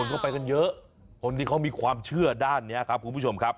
เข้าไปกันเยอะคนที่เขามีความเชื่อด้านนี้ครับคุณผู้ชมครับ